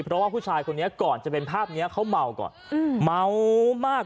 เพราะว่าผู้ชายคนนี้ก่อนจะเป็นภาพเนี้ยเขาเมาก่อนอืมเมามาก